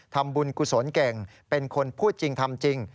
กุศลเก่งเป็นคนพูดจริงทำจริง